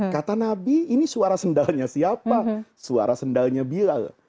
kata nabi ini suara sandalnya siapa suara sandalnya bilal